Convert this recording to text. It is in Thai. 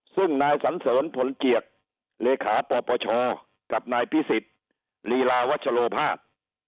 ซึ่งนายสันเสริญผลเกียรติเลขาปปชกับนายพิสิทธิ์ลีลาวัชโลภาษ